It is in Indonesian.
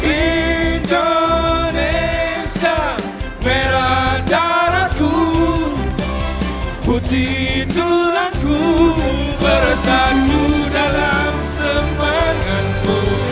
indonesia merah daraku putih tulaku bersatu dalam sepakatmu